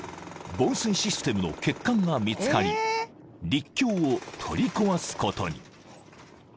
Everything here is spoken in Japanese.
［防水システムの欠陥が見つかり陸橋を取り壊すことに］